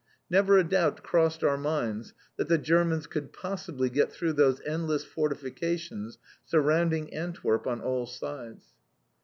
Never a doubt crossed our minds that the Germans could possibly get through those endless fortifications surrounding Antwerp on all sides.